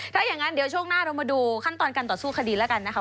ถ้าอย่างนั้นเดี๋ยวช่วงหน้าเรามาดูขั้นตอนการต่อสู้คดีแล้วกันนะคะ